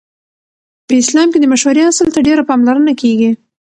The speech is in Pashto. په اسلام کې د مشورې اصل ته ډېره پاملرنه کیږي.